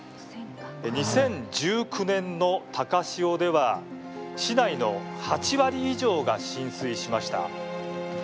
２０１９年の高潮では市内の８割以上が浸水しました。